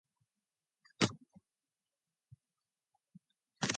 Gilded with a gold leaf, the copper weather vane weighs and is long.